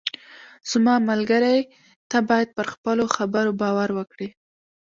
زما ملګری، ته باید پر خپلو خبرو باور وکړې.